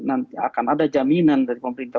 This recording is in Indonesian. nanti akan ada jaminan dari pemerintah